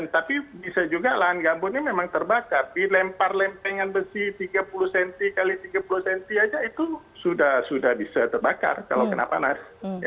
tapi bisa juga lahan gambut ini memang terbakar dilempar lempengan besi tiga puluh cm x tiga puluh cm saja itu sudah bisa terbakar kalau kena panas